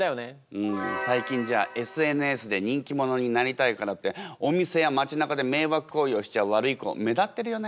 うん最近じゃＳＮＳで人気者になりたいからってお店や町なかで迷惑行為をしちゃうワルイコ目立ってるよね。